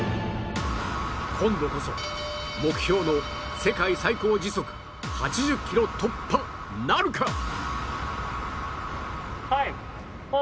今度こそ目標の世界最高時速８０キロ突破なるか？